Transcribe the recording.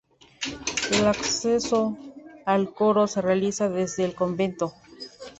El acceso al Coro se realiza desde el Convento.